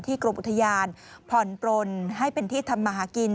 กรมอุทยานผ่อนปลนให้เป็นที่ทำมาหากิน